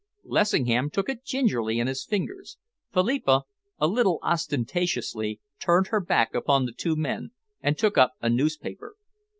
Lessingham took it gingerly in his fingers. Philippa, a little ostentatiously, turned her back upon the two men and took up a newspaper.